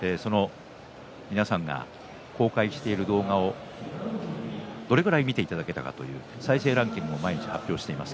皆さんが公開している動画をどれぐらい見てるかという再生ランキングを毎日、発表しています。